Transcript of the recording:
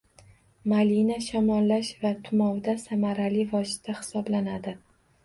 Malina shamollash va tumovda samarali vosita hisoblanadi